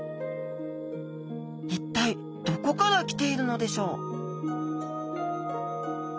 一体どこから来ているのでしょう？